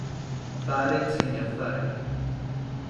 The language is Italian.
Fare insegna a fare.